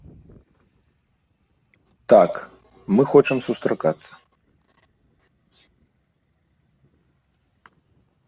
Так, мы хочам сустракацца.